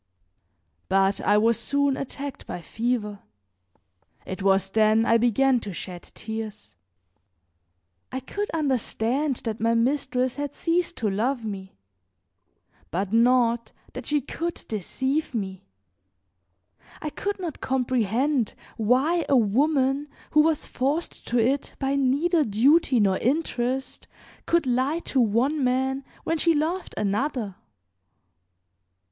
But I was soon attacked by fever. It was then I began to shed tears. I could understand that my mistress had ceased to love me, but not that she could deceive me. I could not comprehend why a woman who was forced to it by neither duty nor interest could lie to one man when she loved another.